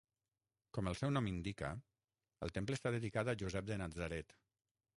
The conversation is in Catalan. Com el seu nom indica el temple està dedicat a Josep de Natzaret.